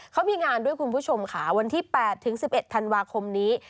เขามีงานด้วยคุณผู้ชมค่ะวันที่๘ถึง๑๑ธันวาคมนี้